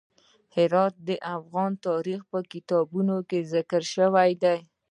هرات د افغان تاریخ په کتابونو کې ذکر شوی دي.